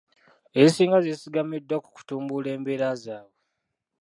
Ezisinga zeesigamiddwa ku kutumbula embeera zaabwe .